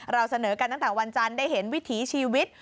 เราเสนอกันตั้งแต่วันจันทร์ได้เห็นวิถีชีวิต